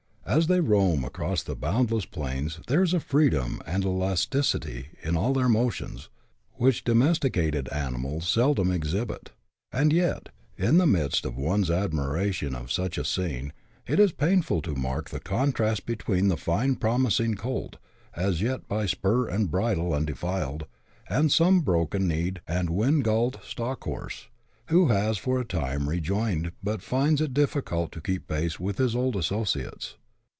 As they roam across the boundless plains there is a freedom and elasticity in all their motions which domesticated animals seldom exhibit ; and yet, in the midst of one's admiration of such a scene, it is painful to mark the contrast between the fine promising colt, as yet " by spur and bridle undefiled," and some broken kneed and wind galled stock horse, who has for a time rejoined but finds it difficult to keep pace with his old associates.